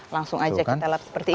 langsung aja kita lihat seperti ini